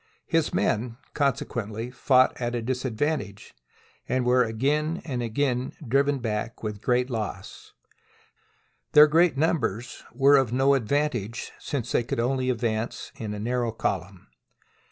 His THE SIEGE OF SAGUNTUM men, consequently, fought at a disadvantage and were again and again driven back with great loss. Their great numbers were of no advantage, since they could advance only in a narrow column.